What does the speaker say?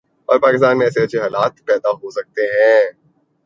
اور پاکستان میں ایسے اچھے حالات پیدا ہوسکتے ہیں ۔